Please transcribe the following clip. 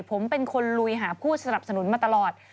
ผมเป็นคนลุยหาผู้สนับสนุนมาตลอด